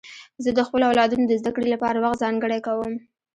زه د خپلو اولادونو د زدهکړې لپاره وخت ځانګړی کوم.